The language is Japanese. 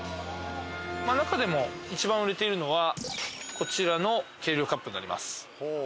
なかでも一番売れているのはこちらの計量カップになります。